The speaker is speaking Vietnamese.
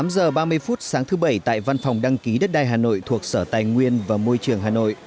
tám giờ ba mươi phút sáng thứ bảy tại văn phòng đăng ký đất đai hà nội thuộc sở tài nguyên và môi trường hà nội